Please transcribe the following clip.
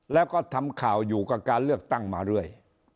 แล้วก็ทำข่าวอยู่กับการเลือกตั้งมาเรื่อย